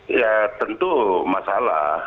ya tentu masalah